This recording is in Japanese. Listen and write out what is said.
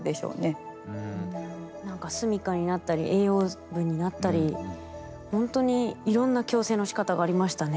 何かすみかになったり栄養分になったりほんとにいろんな共生のしかたがありましたね。